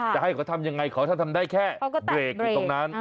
จะให้เขาทำยังไงเขาถ้าทำได้แค่เบรกอยู่ตรงนั้น